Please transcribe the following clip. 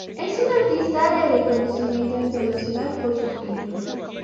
Es un artista de reconocimiento internacional por sus pinturas.